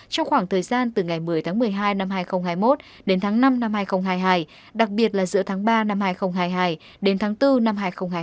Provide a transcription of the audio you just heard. trong khoảng thời gian từ ngày một mươi tháng một mươi hai năm hai nghìn hai mươi một đến tháng năm năm hai nghìn hai mươi hai đặc biệt là giữa tháng ba năm hai nghìn hai mươi hai đến tháng bốn năm hai nghìn hai mươi